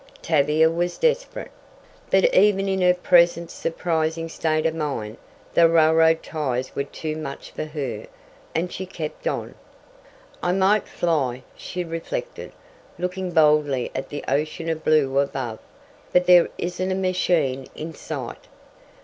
Tavia was desperate, but even in her present surprising state of mind, the railroad ties were too much for her, and she kept on. "I might fly," she reflected, looking boldly at the ocean of blue above, "but there isn't a machine in sight."